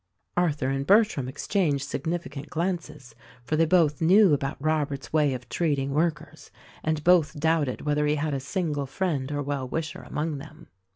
Arthur and Bertram exchanged significant glances, for they both knew about Robert's way of treating workers; and both doubted whether he had a single friend or well wisher among them.